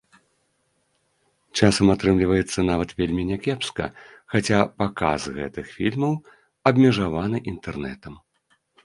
Часам атрымліваецца нават вельмі не кепска, хаця паказ гэтых фільмаў абмежаваны інтэрнэтам.